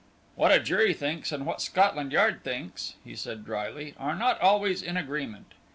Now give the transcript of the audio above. "What a jury thinks and what Scotland Yard thinks," he said, drily, "are not always in agreement.